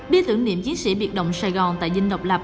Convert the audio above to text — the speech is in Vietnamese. bia tưởng niệm chiến sĩ biệt động sài gòn tại dinh độc lập